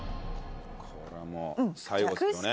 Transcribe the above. これはもう最後ですよね。